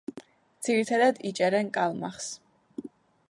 ძირითადად იჭერენ კალმახს.